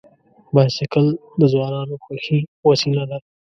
بایسکل د ځوانانو خوښي وسیله ده.